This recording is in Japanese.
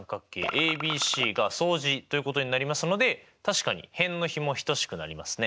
ＡＢＣが相似ということになりますので確かに辺の比も等しくなりますね。